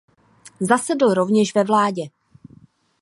Zasedl rovněž ve vládě.